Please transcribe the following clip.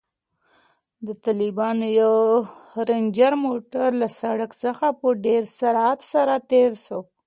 د طالبانو یو رنجر موټر له سړک څخه په ډېر سرعت سره تېر شو.